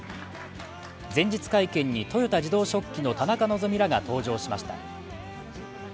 前日会見に豊田自動織機の田中希実らが登場しました。